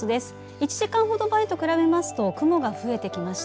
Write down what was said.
１時間ほど前と比べますと雲が増えてきました。